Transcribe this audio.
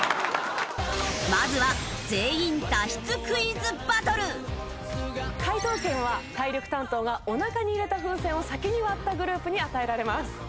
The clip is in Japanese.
まずは解答権は体力担当がお腹に入れた風船を先に割ったグループに与えられます。